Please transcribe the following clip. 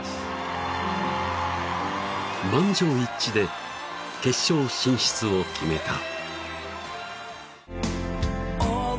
［満場一致で決勝進出を決めた］